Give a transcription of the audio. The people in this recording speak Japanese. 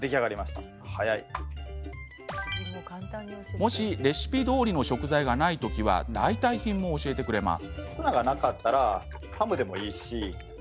もしレシピどおりの食材がないときは代替品も教えてくれます。